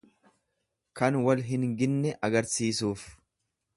Kan wal hin ginne agarsiisuuf.